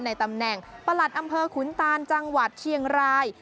ในตำแหน่งประหลัดอำเภอขุนตานจังหวัดเชียงราย